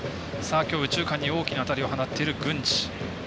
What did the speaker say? きょう右中間に大きな当たりを放っている郡司。